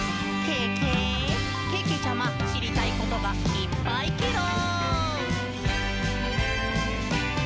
けけちゃま、しりたいことがいっぱいケロ！」